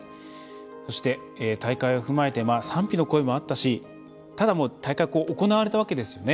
大会を踏まえて賛否の声もあったしただ、もう大会は行われたわけですよね。